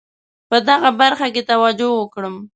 په دغه برخه کې توجه وکړم.